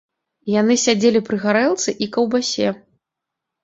Яны сядзелі пры гарэлцы і каўбасе.